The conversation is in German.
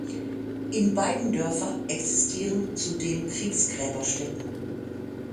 In beiden Dörfer existieren zudem Kriegsgräberstätten.